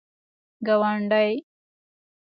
گاونډی